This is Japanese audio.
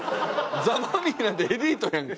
ザ・マミィなんてエリートやんけ！